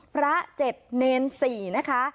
พระเจ็ดเนรสี่นะคะ